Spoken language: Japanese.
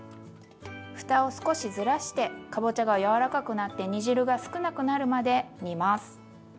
ふたを少しずらしてかぼちゃが柔らかくなって煮汁が少なくなるまで煮ます。